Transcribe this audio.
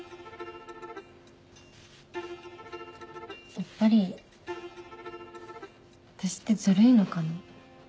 やっぱり私ってずるいのかな？